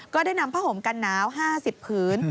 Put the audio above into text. ก็ได้นำผ้าห่มกันหนาว๕๐ผืน